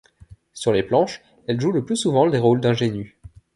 Sur les planches, elle joue le plus souvent des rôles d'ingénue.